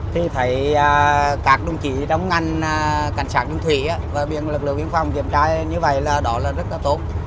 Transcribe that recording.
thì thấy các đồng chí trong ngành cảnh sát đường thủy và lực lượng viên phòng kiểm tra như vậy là rất tốt